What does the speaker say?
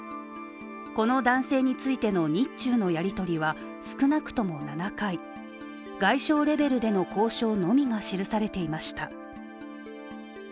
この男性についての日中のやり取りは少なくとも７回外相レベルでの交渉のみが記されていました。